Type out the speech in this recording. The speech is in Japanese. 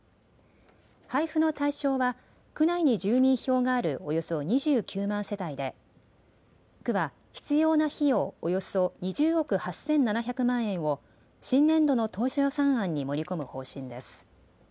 配布の対象は区内に住民票があるおよそ２９万世帯で区は必要な費用、およそ２０億８７００万円を新年度の当初予算案に盛り込む方針です。